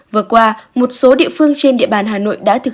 vừa qua một số địa phương trên địa bàn hà nội đã thực